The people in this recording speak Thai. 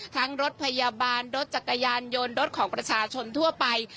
รถพยาบาลรถจักรยานยนต์รถของประชาชนทั่วไป